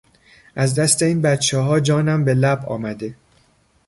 از دست این بچهها جانم به لب آمده!